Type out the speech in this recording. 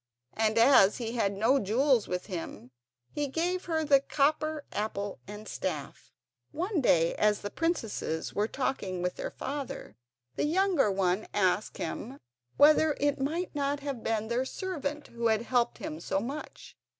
And as he had no jewels with him, he gave her the copper apple and staff. One day, as the princesses were talking with their father, the younger one asked him whether it might not have been their servant who had helped him so much.